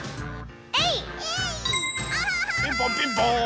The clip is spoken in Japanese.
ピンポンピンポーン。